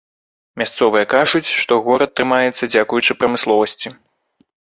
Мясцовыя кажуць, што горад трымаецца дзякуючы прамысловасці.